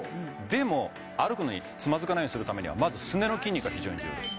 でも歩くのにつまずかないようにするためにはまずすねの筋肉が非常に重要です